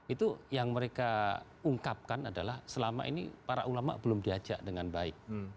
itu yang mereka ungkapkan adalah selama ini para ulama belum diajak dengan baik